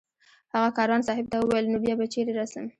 هغه کاروان صاحب ته وویل نو بیا به چېرې رسم